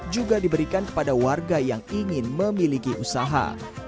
juga diberikan kepada warga yang ingin memiliki usaha